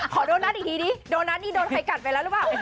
ขอโดนัทอีกทีดิโดนัทนี่โดนใครกัดไปแล้วหรือเปล่า